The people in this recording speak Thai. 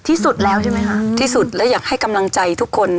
ที่สุดแล้วใช่ไหมคะที่สุดแล้วอยากให้กำลังใจทุกคน